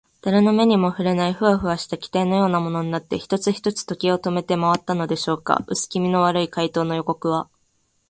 だれの目にもふれない、フワフワした気体のようなものになって、一つ一つ時計を止めてまわったのでしょうか。うすきみの悪い怪盗の予告は、